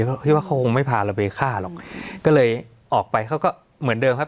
เพราะคิดว่าเขาคงไม่พาเราไปฆ่าหรอกก็เลยออกไปเขาก็เหมือนเดิมครับ